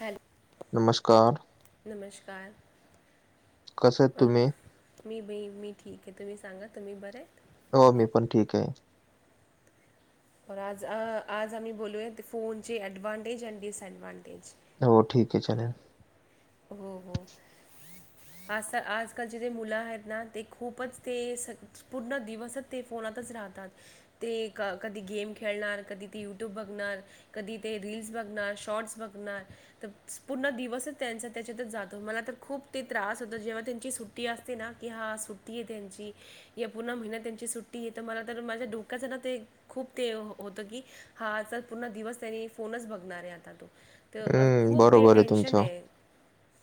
Hello नमस्कार, नमस्कार, कसं आहेत अह, तुम्ही मी बाई, मी ठीक आहे, तुम्ही सांगा तुम्ही बरं आहे हो, मी पण ठीक आहे तर आज, आज आम्ही बोलूया फोनचे ऍडव्हांटेज, आणि, डिसएडव्हांटेज हो, ठीक आहे चालेल हो हो आज आजकालचे जे मुलं आहेत ना ते खूपच ते पूर्ण दिवसच ते फोनातच राहतात ते क कधी गेम खेळणार, कधी ते यूट्यूब बघणार कधी ते रीलस बघणार, शॉर्टस बघणार, तर पूर्ण दिवसच त्यांचा त्याच्यातच जातो मला तर खूप ते त्रास होतो जेव्हा त्यांची सुट्टी असते ना की हा सुट्टी आहे त्यांची या पुन्हा महिन्यात त्यांची सुट्टी तर मला तर माझ्या डोक्याच ना ते खूप ते होत की हा आच पूर्ण दिवस त्यांनी फोनच बघणार आहे आता तो हम्म, खूप ते बरोबर टेन्शन तुमचं. आहे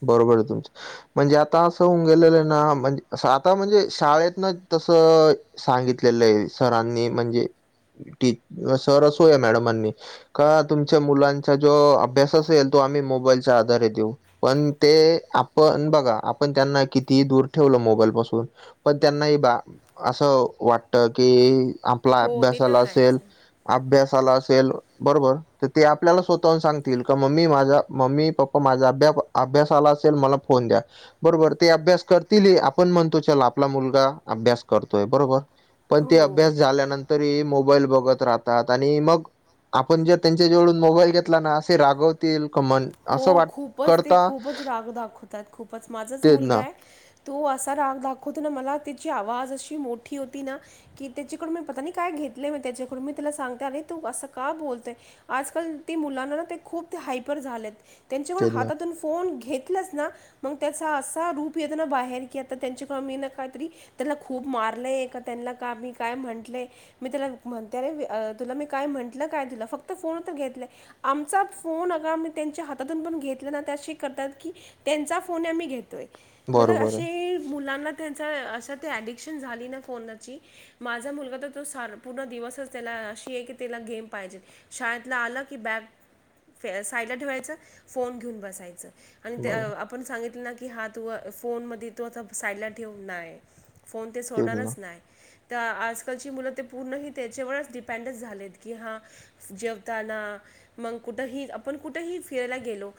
बरोबर आहे तुमच म्हणजे आता असं होऊन गेलेलं ना म्हण आता म्हणजे ना शाळेतन तसं- सांगितलेलं आहे सरांनी म्हणजे- टि सर असो या मॅडमांनी, का तुमच्या मुलांचा जो अभ्यास- तसही तो आम्ही मोबाईलच्या आधारे देऊ. पण ते आपण बघा आपण त्यांना कितीही दूर ठेवलं मोबाईल पासून- पण त्यांनाही बा असं वाटत की आपला हो ते तर अभ्यासाला असेल- आहेच अभ्यासाला असेल बरोबर तर ते आपल्याला स्वतःहून सांगतील- मम्मी माझा मम्मी पप्पा माझा अभ्या अभ्यास आला असेल मला फोन द्या. बरोबर ते अभ्यास करतीलही, आपण म्हणतो चला आपला मुलगा अभ्यास करतोय बरोबर- पण ते हो अभ्यास झाल्यानंतरही मोबाईल बघत राहत- रहात आणि मग आपण जर त्यांच्या जवळून मोबाईल घेतला ना असे रागव- हो खूपच ते खूपच राग दाखवतात खूपच. माझाच तेच मुलगा ना आहे- तो असा राग दाखवतो ना मला, त्याची आवाज अशी मोठी होती ना- कि त्याच्याकडून मी पता नाही काय घेतलंय मी त्याच्याकडून मी त्याला सांगते अरे तू असं का बोलतोये. आजकाल ते मुलांना ना ते खूप हायपर झालेत त्यांच्यामुळे तेच ना हातातून फोन घेत- तलंच ना मग त्याचा असा रूप येत ना बाहेर की आता त्यांच्याकडे मी ना काहीतरी- त्याला खूप मारलंय का त्यांना का मी काय म्हटलंय- मी त्याला म्हणते रे तुला मी काय म्हंटलं काय तुला फक्त फोन तर घेतलंय- आमचाच फोन- त्यांच्या हातातून पण घेतला ना की ते अशे करतात की त्यांचा फोन आम्ही घेतोय. मतलब बरोबर आहे अशी मुलांना त्यांच अस ते ऍडिक्शन झाली ना फोनची. माझा मुलगा तर तो सार पूर्ण दिवसच त्याला अशी आहे की त्याला गेम पाहिजे. शाळेतन आलं की बॅग साईडला ठेवायचं, फोन घेऊन बसायचं आणि त्या बरोबर आप- आपण सांगितलं ना की हा तू फोन मध्ये तू आता साईडला ठेव, नाय. फोन ते तेच ना सोडणारच नाय. तर आजकालची मुलं ते पूर्णही त्याच्यावरच डिपेंडंट झालेत की हां- जेवताना, मग कुट- ठही, आपण कुठेही फिरायला गेलो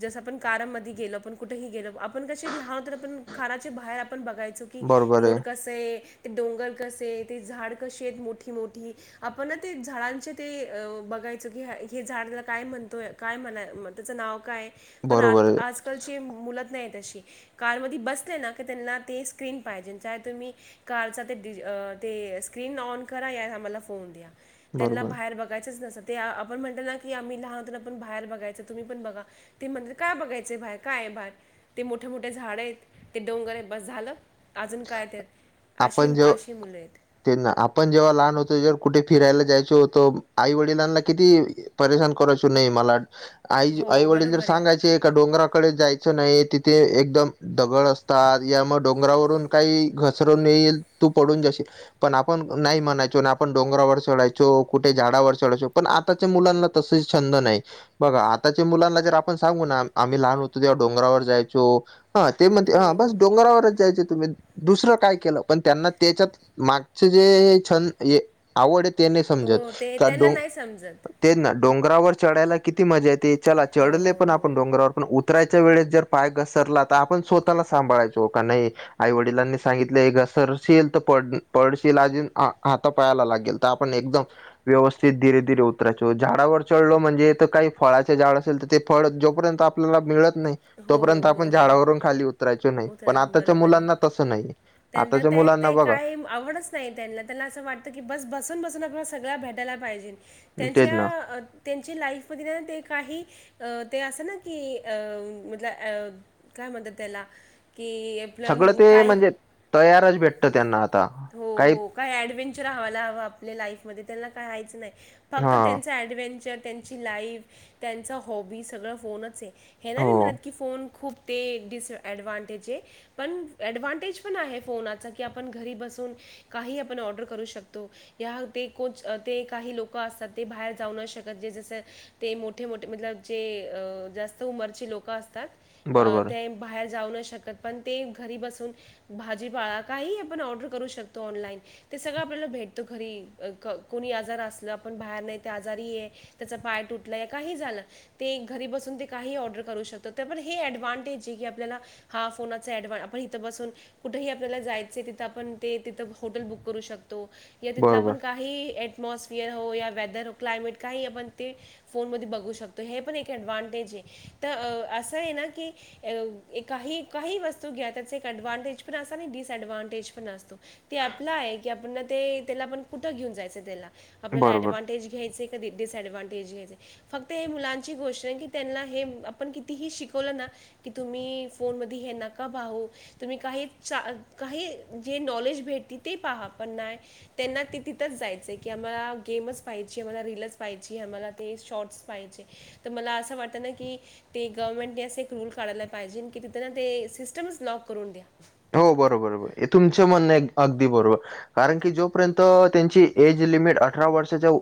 जस आपण कारामध्ये गेलो आपण कुठेही गेलो आप- आपण कसे लहान तर आपण काराचे बाहेर आपण बघायचो की बरोबर रोड आहे कस- से, ते डोंगर कसे आहे, ते झाड कसे आहेत मोठी मोठी. आपण ना ते झाडांचे ते बघायचो की हे झाडला- काय म्हणतोय काय म्हणाय त्याचं नाव काय पण आल् बरोबर आहे आजकालची मुलंत नाही तशी. कार मध्ये बसले ना का त्यांना ते स्क्रीन पाहिजेल, चाहे तुम्ही. कालच ते डिज अ ते स्क्रीन ऑन करा या आम्हाला फोन द्या. त्यांना बरोबर आहे. बाहेर बघायचंच नसत, ते आपण म्हटल ना. की आम्ही लहान होतो ना पण बाहेर बघायचो तुम्ही पण बघा, ते म्हणतात काय बघायचे बाहेर काय बाहेर. ते मोठे मोठे झाड आहेत, ते डोंगर आहेत बस झालं. अजून काय त्यात, अशी अशी मुलं आहेत. तेच ना, आपण जेव्हा लहान होतो, जेव्हा कुठे फिरायला जायचो होतो, आई वडिलांना किती- परेशान करायचो नाही मला- आई जी आई हो वडील जर बरोबर आहे सांगायचे का डोंगराकडे जायचं नाही तिथे एकदम- दगड असतात यामुळे डोंगरावरून काही घसरून येईल, तू पडून जाशील. पण आपण नाही म्हणायचो आन् आपण डोंगरावर चढायचो कुठे झाडावर चढायळचो पण आप- आजकालच्या मुलांना तसे छंद नाही. बघा आताच्या मुलांना जर आपण सांगू ना आम्ही लहान होतो तेव्हा डोंगरावर जायचो. हा ते म्हणते हो हा बस हो डोंगरावरच जायचे तुम्ही. दुसरं काय केलं पण त्यांना त्याच्यात मागच जे. छंद आवड ते नाही समजत हो ते का त्यांना डों, नाही समजत ते ना डोंगरावर चढायला किती येते चला हो चढले. हो पण आपण हो डोंगरावर पण उतरायच्या वेळेस जर पाय घसरला तर आपण स्वतःला सांभाळायचो का नाही. आई वडील, वडिलांनी सांगितले घसरशील तर पड पडशील अज हात पाया लागेल तर आपण एकदम. व्यवस्थित धीरे धीरे उतरायचो झाडावर चढलो म्हणजे तर काही फळाचे झाड असेल तर ते फळ जोपर्यंत आप, आपल्याला मिळत नाही हो तोपर्यंत हो आपण हो झाडावरून खाली उतरायचो नाही हो तर पण आताच्या बरोबर आहे मुलांना. तस नाही त्यांना आताच्या त्यात मुलांना ते बघा. काही आवडच नाही त्यांना त्याला असं वाटतं की बस बसून बसून आपल्याला सगळं भेटायला पाहिजे. तेच ना त्यांच्या त्यांची लाईफ मध्ये ते काही अ ते असं ना की अ. मधलं अ काय म्हणतात त्याला की, सगळं आपलं ते काही म्हणजे तयारच भेट. हो हो काही एडवेंचर हवा ला हवं आपल्या लाईफ मध्ये त्यांना काय हायचं नाही. फक्त हा त्यांचं ॲडव्हेंचर त्यांची लाईफ त्यांचं हॉबी सगळं फोनच आहे. हे ना हो मी म्हणत की फोन खूप ते डिसएडव्हांटेज आहे. पण एडवेंचर पण आहे फोनाचा की आपण घरी बसून. काही आपण ऑर्डर करू शकतो. या ते को ते काही लोक असतात ते बाहेर जाऊ न शकत जे जसं. ते मोठे मोठे मतलब जे जास्त उमरचे लोक असतात. बरोबर ते बाहेर जाऊ न शकत पण ते घरी बसून भाजीपाळा. काही आपण ऑर्डर करू शकतो ऑनलाईन. ते सगळं आपल्याला भेटतो घरी कोणी आजार असलं आपण बाहेर नाही ते आजारी आहे. त्याचा पाय तुटलंय काही झालं. ते घरी बसून ते काही ऑर्डर करू शकतात तर पण हे ऍडव्हांटेज जे की आपल्याला. हा फोन ऍडव्हांटेज आपण इथं बसून कुठेही आपल्याला जायच. असे तिथ आपण ते तिथ हॉटेल बुक करू शकतो या तिथलं बरोबर आपण काय. ही टमॉसफियर हो या वेदर हो क्लायमेट काही आपण ते. फोन मध्ये बघू शकतो हे पण एक ऍडव्हांटेज आहे तर असं आहे ना की. अ काही काही वस्तू घ्या त्याच एक ऍडव्हांटेज पण अस आहे की. ऍडव्हांटेज पण असतो ते आपला आहे की आपण ते त्याला आपण कुठं घेऊन जायचं त्याला. आपल्याला बरोबर एडव्हांटेज घ्यायचे आहे का डिटिस एडव्हांटेज घ्यायचे. फक्त हे मुलांची गोष्ट आहे की त्यांना हे आपण कितीही शिकवलं ना. कि तुम्ही फोन मध्ये हे नका पाहू तुम्ही काहीच्या, काही जे नॉलेज भेटते ते पहा पण नाही! त्यांना ते तिथंच जायचे की आम्हाला गेमच पाहिजे आम्हाला रीलच पाहिजे आम्हाला ते शॉर्ट्स पाहिजे. तर मला असं वाटतं ना की, ते गव्हर्नमेंटने असा एक रूल काढायला पाहिजे की तिथे ते सिस्टम ब्लॉक करून द्या. हो बरोबर बर हे तुमच म्हणणे अगदी बरोबर! कारण की जोपर्यंत त्यांची एज लिमिट अठरा वर्षाच्या व,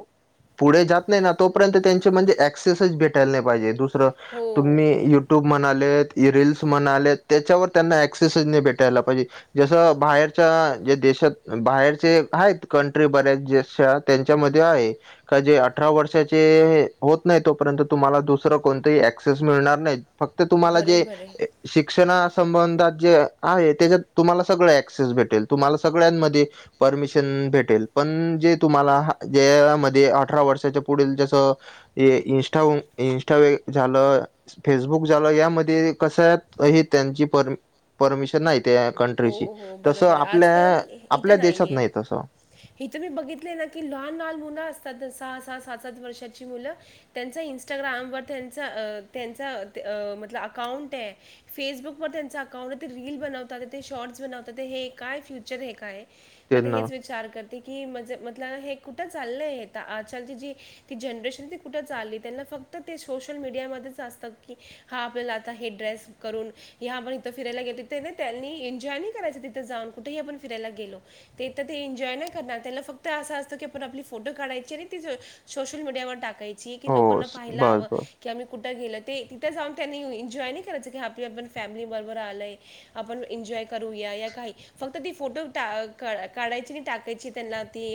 पुढे जात नाही ना तोपर्यंत त्यांचे म्हणजे एक्सेसच भेटायला नाही पाहिजे दुस, दुसर हो तुम्ही युट्यूब म्हणाले रीलस म्हणाले त्याच्यावर त्यांना ऍक्सेस नाही भेट, भेटायला पाहिजी, जसं बाहेरच्या ज्या देशात बाहेरचे आहेत कंट्री बऱ्याच देशात त्यांच्यामध्ये आहे. का जे अठरा वर्षाचे होत नाही तोपर्यंत तुम्हाला दुसरं कोणतही ऍक्सेस मिळणार नाहीत फक्त तुम्हाला जे बरोबर आहे शिक्षणा संबंधात जे आहे त्याच्यात तुम्हाला सगळं ऍक्सेस भेटेल तुम्हाला सगळ्यांमध्ये परमिशन भेटेल पण जे तुम्हाला ज्यामध्ये अठरा वर्षाच्या पुढील जसं या इनस्टा इन्स्टा व झालं, फेसबुक झाला यामध्ये कस हे त्यांची पर परमिशन नाही त्या हो कंट्रीची हो तसं बरोबर आहे आपल्या आपल्या देशात नाही तसं. हिथ मी बघितले ना की लहान लहान मुलं असतात सहा सहा सात सात वर्षाची मुलं त्यांच इन्स्टाग्रामवर त्यांचा त्यांचा म्हल अकाउंट हे फेसबुक वर त्यांच अकाउंट ते रील बनव तात ते शॉर्ट्स बनवतात हे काय फ्युचर हे काय मग ते त्यांना हेच वी चार करते की म्हजे म्हटलं ना हे कुठं चाललंय हे तर आजकालची जी ती जनरेशन ती कुठं चालली त्यांना फक्त ते सोशल मीडियामध्येच असतात की हा आपल्याला आता हे ड्रेस करून ह आपण इथं फिरायला गेले त्यांनी एन्जॉय नाही करायच तिथ जाऊन कुठेही आपण फिरायला गेलो ते तर ते एन्जॉय नाही करणार त्याला फक्त असं असतं की पण आपली फोटो काढायची आणि त सोशल मीडियावर टाकायची कि हो लोकांना स- पाहायला बस हवं बस कि आम्ही कुठे गेलो ते तिथे जाऊन त्यांनी एन्जॉय नाही करायचं की आपल्या आपण फॅमिली बरोबर आलय आपण एन्जॉय करूया या काही फक्त ती फोटो काढायची आणि टाकायची त्यांना ती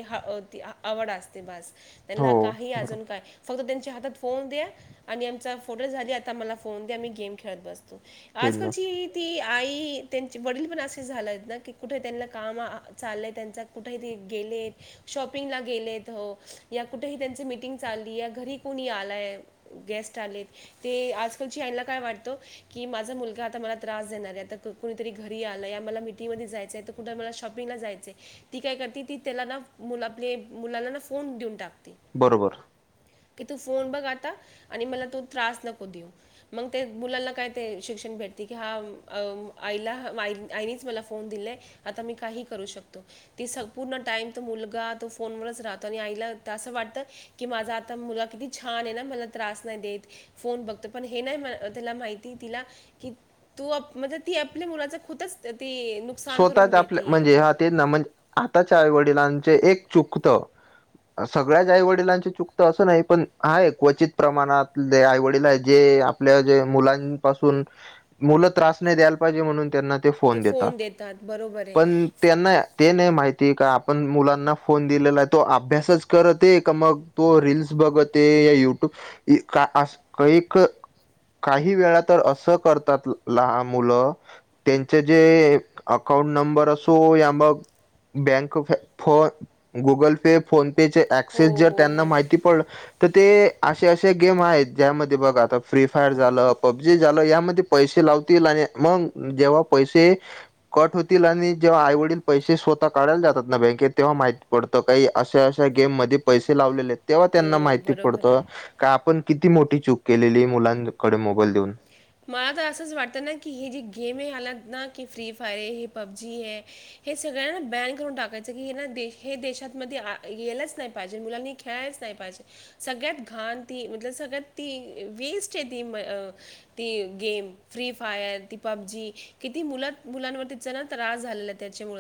आवड असते बास हो त्यांना काही बरोबर अजून काय फक्त त्यांच्या हातात फोन द्या आणि आमचा फोटो झाली आता मला फोन द्या आम्ही गेम खेळत बसतो, तेच ना आजकालची ती आई की त्यांचे वडील पण असे झाले आहेत ना की कुठे त्यांना काम चाललं त्यांचा कुठेही ते गेले शॉपिंगला गेले हो या कुठेही त्यांची मीटिंग चालली या घरी कोणी आलाय गेस्ट आलेत. ते आजकालची आईला काय वाटतं की माझा मुलगा आता मला त्रास देणार आहे आता क कुणीतरी घरी आलंया मला मिटिंगमध्ये जायचं आहे तर कुठं मला शॉपिंगला जायचं हे ती काय करते ती त्याला ना मुला आपले मुलाला ना फोन देऊन टाकते. बरोबर की तू फोन बघ आता आणि मला तू त्रास नको देऊ मग ते मुलांना काय ते शिक्षण भेटते की हा आईला आ आईनेच मला फोन दिलय आता मी काही करू शकतो. ती सपूर्ण टाइम तो मुलगा तो फोनवरच राहतो आणि आईला असं वाटत की माझा आ ता मुलं किती छान आहे ना मला त्रास नाही देत फोन बघतोय पण हे नाही त्याला माहिती तिला कि तू म्हणजे ती आपल्या मुलाच खूदच त ती नुक स्वतःच आपल्या म्हणजे हा तेच ना म्हणजे आताच्या वडिलांचे एक चुकत सगळ्याच आई वडिलांची चूकत असं नाही पण हाय क्वचित प्रमाणातले आई वडील आहे जे आपल्या जे मुलांपासून मुलं त्रास नाही द्यायला पाहिजे म्हणून त्यांना ते फोन देतात बरोबर. आहे पण त्यांना ते नाही माहिती का आपण मुलांना फोन दिलेला आहे तो अभ्यासच करते का मग तो रीलस बघते या युट्यूब का अस काही काही वेळा तर असं करतात लहान मुलं त्यांचे जे एक अकाउंट नंबर असो या मग बँक फो गुगल पे फोन- तेचे हो ऍक्सेस जर हो त्यांना हो माहिती पडल तर ते अशे अश्या गेम आहेत. ज्यामध्ये बघ आता फ्री फायर झालं पबजी झालं यामध्ये पैसे लावतील आणि मंग जेव्हा पैसे कट होतील आणि जेव्हा आईवडील पैसे स्वतः काढायला जातात ना बँकेत तेव्हा माहित पडतं काही अशा अशा गेम मध्ये पैसे लावलेले तेव्हा हो त्यांना माहिती बरोबर पडतं. आहे का आपण किती मोठी चूक केलेली मुलांकडे मोबाईल देऊन. मला तर असंच वाटतं ना की हे जे गेम आहे आलात ना की फ्री फायर आहे हे पबजी हे हे सगळं ना बॅड करून टाकायचं की हे ना हे देशातमध्ये येयलाच नाही पाहिज मुलांनी खेळच नाही पायजे सगळ्यात घाण ती म्हटल सगळ्यात ती वेस्ट आहे ती अं ती गेम फ्री फायर ती पबजी किती मुला मुलांवर तिचा ना त्रास झालेलाय तेच्यामूळ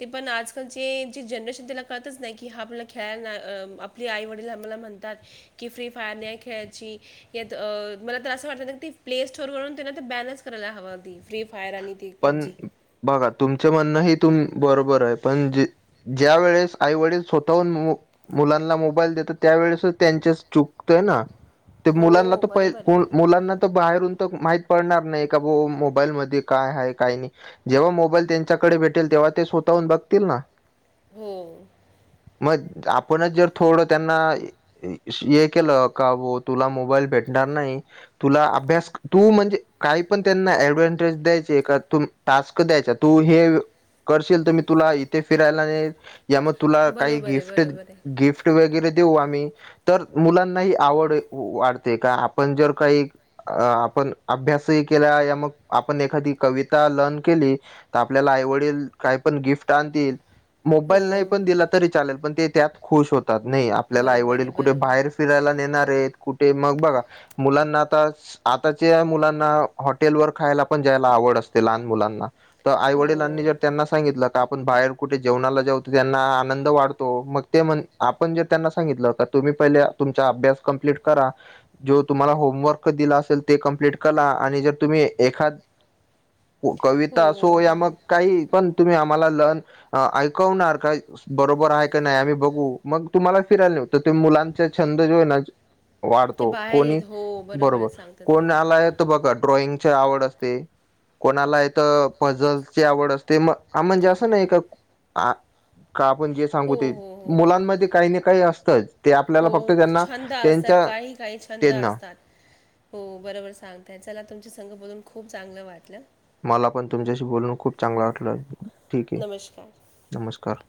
ते पण आजकालची जी जनरेशन तिला कळतच नाही की हा आपल्याला खेळायला नाही आप ती आई वडील आम्हाला म्हणतात. कि फ्री फायर नाही खेळायची यात मला तर असं वाटत ती प्ले स्टोर वरून त्यांना ते बॅलन्स करायला हवांती फ्री फायर आणि ती पण पबजी बघा तुमच म्हणणं हे तुम बरोबर आहे पण जे ज्या वेळेस आईवडील स्वतःहून मो मुलांनाला मोबाईल देतात त्यावेेळेसच त्यांचच चुकतय ना. ते मुलांना हो तर बरोबर प आहे मुलांना तर बाहेरून तर माहीत पडणार नाही का बुवा मोबाईलमध्ये काय हाय काही नाही जेव्हा मोबाईल त्यांच्याकडे भेटेल तेव्हा ते स्वतःहून बघतील ना. हो. मग आपणच जर थोडं त्यांना ये केलं का हो तुला मोबाईल भेटणार नाही. तुला अभ्यास तू म्हणजे काही पण त्यांना ऍडव्हनटेज द्यायच. जे का तुम टास्क द्यायचा तू हे करशील त मी तुला इथे फिरायला नेईन. या म तुला काही बरोबर आहे गिफ्ट बरोबर आहे गिफ्ट गिफ्ट वगैरे देऊ आम्ही तर मुलांनाही आवड वाढते का आपण जर काही अ आपण अभ्यासही केला या मग आपण एखादी कविता लर्न केली तर आपल्याला आईवडील काही पण गिफ्ट आणतील. हो मोबाईल नाही पण दिला तरी चालेल पण ते त्यात खुश होत तात नाही आपल्याला बरोबर आहे आईवडील कुठे बरोबर बाहेर आहे फिरायला नेणारयेत कुठे मग बघा. मुलांना आता आताच्या मुलांना हॉटेलवर खायला पण जायला आवड असते लहान मुलांना तर हो आईवडीलांनी जर त्यांना सांगितलं आपण बाहेर कुठे जेवणाला जाऊतो त्यांना आनंद वाढतो मग आपण जर त्यांना सांगितलं का तुम्ही पहिले तुमचा अभ्यास कम्प्लीट करा. जो तुम्हाला होमवर्क दिला असेल ते कमप्लीट करा आणि जर तुम्ही एखाद हो कविता असो हो या हो हो. मग काही पण तुम्ही आम्हाला लन ऐकवणार का बरोबर आहे का नाही आम्ही बघू मग तुम्हाला फिरायला नेवु. तर ते मुलांचा छंद जे आहे ना ते वाढतो बाहेर कोणी येत हो आहे बरोबर सांगता कोणा तुम्ही आलाय तर बघा ड्रॉइंगची आवड असते कोणाला इथ पजलची आवड असते म म्हणजे असं नायका का आपण जे सांगू हो ते हो हो हो मुलांमध्ये काही ना काही असतंच. ते आपल्याला हो फक्त त्यांना छंद असतात त्यांच्या काही काही छंद त्यांना असतात. हो बरोबर सांगताय चला तुमचे संघ बोलून खूप चांगलं वाटलं. मला पण तुमच्याशी बोलूण खूप चांगलं वाटलं ठीक आहे नमस्कार. नमस्कार.